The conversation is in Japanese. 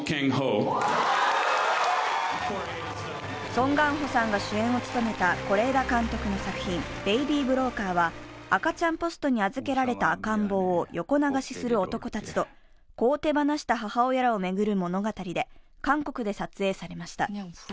ソン・ガンホさんが主演を務めた是枝監督の作品「ベイビー・ブローカー」は赤ちゃんポストに預けられた赤ん坊を横流しする男たちと子を手放した母親らを巡る物語で韓国で撮影されました。